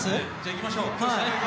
行きましょう。